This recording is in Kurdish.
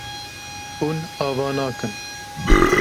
Hûn ava nakin.